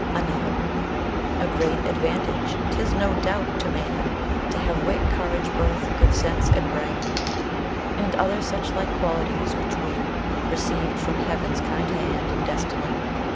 _ Another _A great advantage 'tis, no doubt, to man, To have wit, courage, birth, good sense, and brain, And other such like qualities, which we Receiv'd from heaven's kind hand, and destiny.